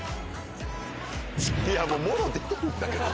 いやもうもろ出てるんだけど。